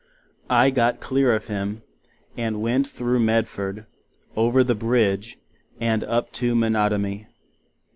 I got clear of him, and went thro Medford, over the Bridge, and up to Menotomy.